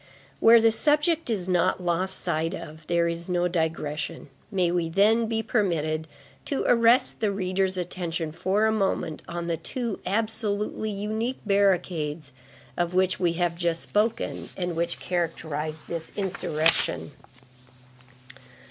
Where the subject is not lost sight of, there is no digression; may we, then, be permitted to arrest the reader's attention for a moment on the two absolutely unique barricades of which we have just spoken and which characterized this insurrection.